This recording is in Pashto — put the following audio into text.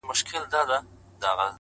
په خــــنــدا كيــسـه شـــــروع كړه.!